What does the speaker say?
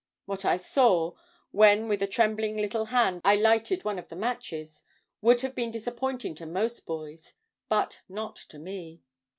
What I saw, when with a very trembling little hand I had lighted one of the matches, would have been disappointing to most boys, but not to me.